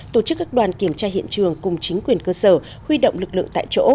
tổ chức các đoàn kiểm tra hiện trường cùng chính quyền cơ sở huy động lực lượng tại chỗ